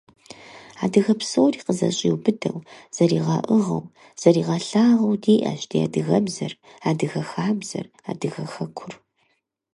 Адыгэ псори къызэщӀиубыдэу, зэригъэӀыгъыу, зэригъэлъагъуу диӀэщ ди адыгэбзэр, адыгэ хабзэр, адыгэ хэкур.